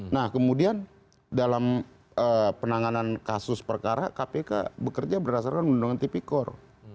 nah kemudian dalam penanganan kasus perkara kpk bekerja berdasarkan undang undang tipikor